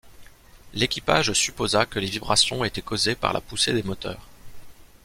L'équipage supposa que les vibrations étaient causées par la poussée des moteurs.